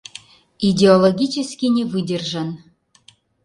«Идеологически не выдержан...»